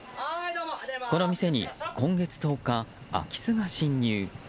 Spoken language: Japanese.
この店に今月１０日空き巣が侵入。